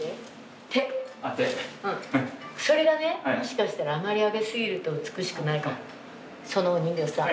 それがねもしかしたらあまり上げすぎると美しくないかもそのお人形さん。